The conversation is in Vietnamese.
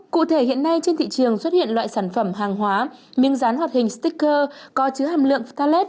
cụ thể hiện nay trên thị trường xuất hiện loại sản phẩm hàng hóa miếng rán hoạt hình sticker có chứa hàm lượng calet